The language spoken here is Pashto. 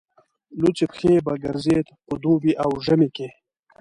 لوڅې پښې به ګرځېد په دوبي او ژمي کې.